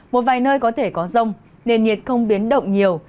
một vài nơi có thể có rông nền nhiệt không biến động nhiều